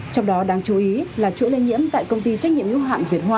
trong đó đáng chú ý là chuỗi lây nhiễm tại công ty trách nhiệm nhu hạm